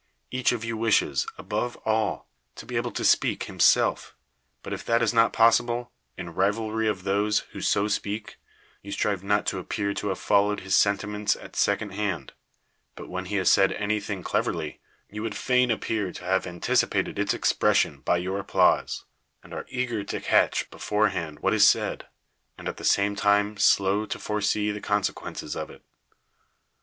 Each of you wishes, above all, to be able to speak him self; but if that is not possible, in rivalry of those who so speak, you strive not to a|)pear to have followed his sentiments at second hand; but when he has said any thing cleverly, you would fain appear to have anticipated its ex pression by your applause, and are eager to catch beforehand what is said, and at the same time slow to forsee the consequences of it.